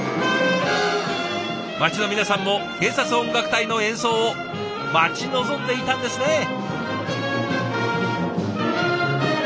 町の皆さんも警察音楽隊の演奏を待ち望んでいたんですね！